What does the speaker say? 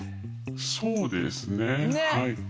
そうですねはい。